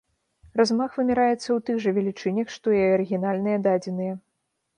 Размах вымяраецца ў тых жа велічынях, што і арыгінальныя дадзеныя.